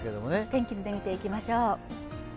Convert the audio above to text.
天気図で見ていきましょう。